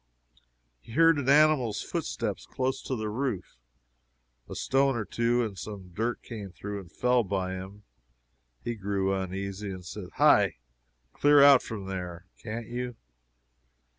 He heard an animal's footsteps close to the roof; a stone or two and some dirt came through and fell by him. He grew uneasy and said "Hi! clear out from there, can't you!"